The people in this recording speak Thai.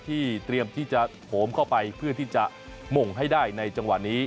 เตรียมที่จะโหมเข้าไปเพื่อที่จะหม่งให้ได้ในจังหวะนี้